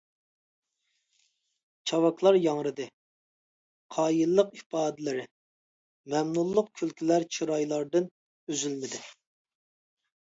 چاۋاكلار ياڭرىدى، قايىللىق ئىپادىلىرى، مەمنۇنلۇق كۈلكىلەر چىرايلاردىن ئۈزۈلمىدى.